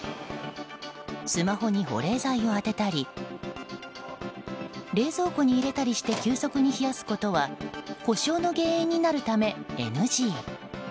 スマホに保冷剤を当てたり冷蔵庫に入れたりして急速に冷やすことは故障の原因になるため、ＮＧ。